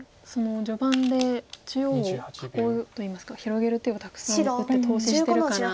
序盤で中央を囲うといいますか広げる手をたくさん打って投資してるから。